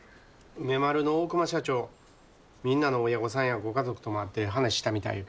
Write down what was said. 梅丸の大熊社長みんなの親御さんやご家族とも会って話したみたいやけど。